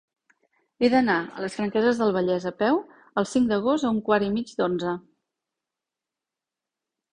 He d'anar a les Franqueses del Vallès a peu el cinc d'agost a un quart i mig d'onze.